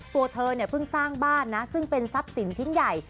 ตัวเธอเนี่ยเพิ่งสร้างบ้านนะซึ่งเป็นทรัพย์สินชิ้นใหญ่